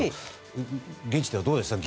現地ではどうでしたか？